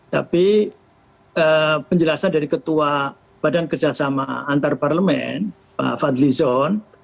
tapi penjelasan dari ketua badan kerja sama antarparlemen pak fadlizon